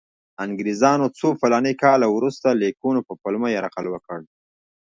انګریزانو څو فلاني کاله وروسته د لیکونو په پلمه یرغل وکړ.